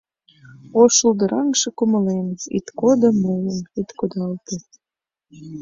О, шулдыраҥше кумылем, Ит кодо мыйым, ит кудалте.